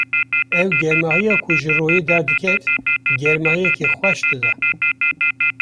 Ew germahiya ku ji royê derdiket, germahiyeke xweş dida.